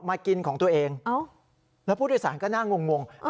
มากินของตัวเองแล้วผู้โดยสารก็น่างง